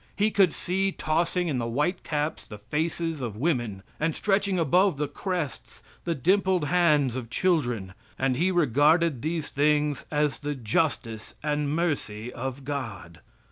He could see tossing in the whitecaps the faces of women, and stretching above the crests the dimpled hands of children; and he regarded these things as the justice and mercy of God.